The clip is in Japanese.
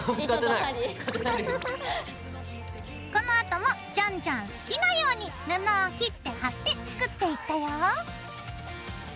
このあともじゃんじゃん好きなように布を切って貼って作っていったよ。